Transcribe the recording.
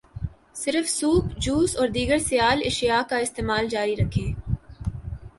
صرف soup, juice, اور دیگر سیال اشیاء کا استعمال جاری رکھیں